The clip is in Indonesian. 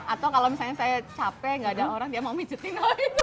atau kalau misalnya saya capek nggak ada orang dia mau midin